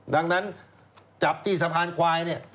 ดังนั้นจับที่สะพานควายเนี่ย